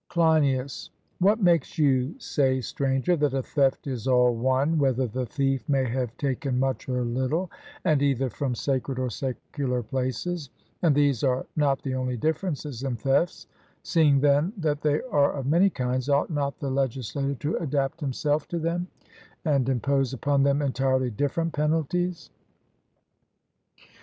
CLEINIAS: What makes you say, Stranger, that a theft is all one, whether the thief may have taken much or little, and either from sacred or secular places and these are not the only differences in thefts seeing, then, that they are of many kinds, ought not the legislator to adapt himself to them, and impose upon them entirely different penalties?